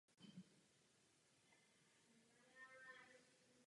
Spíš naopak.